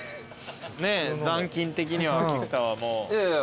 残金的には菊田はもう。